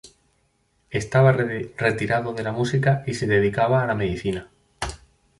Estaba retirado de la música y se dedicaba a la medicina.